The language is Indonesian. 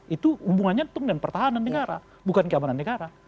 itu hubungannya tentang pertahanan negara bukan keamanan negara